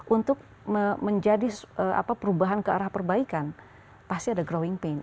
untuk menjadi perubahan ke arah perbaikan pasti ada growing pain